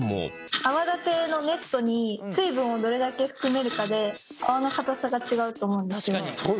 泡立てのネットに水分をどれだけ含めるかで泡の硬さが違うと思うんですけど。